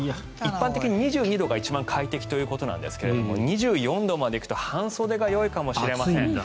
一般的に２２度が一番快適ということですが２４度まで行くと半袖がよいかもしれません。